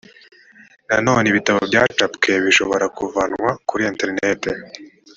nanone ibitabo byacapwe bishobora no kuvanwa kuri interineti